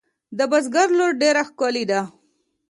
د بزگر لور ډېره ښکلې ده.